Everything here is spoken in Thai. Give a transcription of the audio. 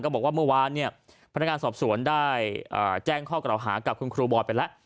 บอกว่าเมื่อวานเนี่ยพนักงานสอบสวนได้แจ้งข้อกล่าวหากับคุณครูบอยไปแล้ว